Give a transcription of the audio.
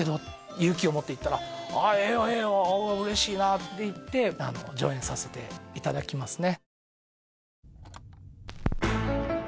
勇気を持って言ったら「ええよええよ嬉しいなあ」って言って上演させていただきますね